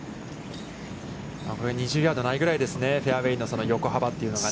２０ヤードないぐらいですね、フェアウェイの横幅というのが。